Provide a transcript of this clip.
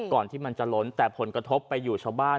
ที่มันจะล้นแต่ผลกระทบไปอยู่ชาวบ้าน